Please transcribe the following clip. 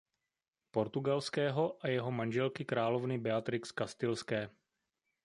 Portugalského a jeho manželky královny Beatrix Kastilské.